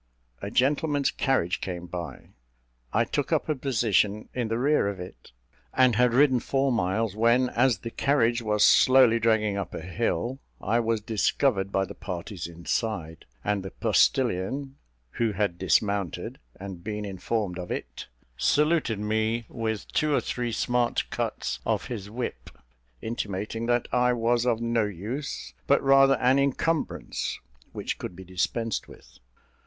A gentleman's carriage came by; I took up a position in the rear of it, and had ridden four miles, when, as the carriage was slowly dragging up a hill, I was discovered by the parties inside; and the postilion, who had dismounted and been informed of it, saluted me with two or three smart cuts of his whip, intimating that I was of no use, but rather an incumbrance which could be dispensed with.